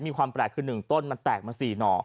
มีความแปลกคือ๑ต้นมันแตกมา๔หน่อ